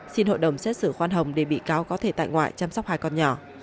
xin hội đồng xét xử khoan hồng để bị cáo có thể tại ngoại chăm sóc hai con nhỏ